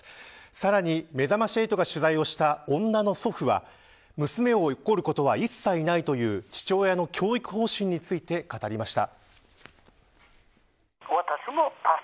さらに、めざまし８が取材をした女の祖父は娘を怒ることは一切ないという父親の教育方針について語りました。